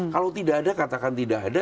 kalau tidak ada katakan tidak ada